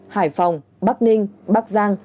hải phòng bắc ninh bắc giang